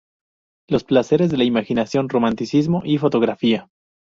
Los Placeres de la Imaginación, Romanticismo y Fotografía.